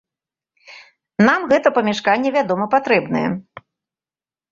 Нам гэта памяшканне, вядома, патрэбнае.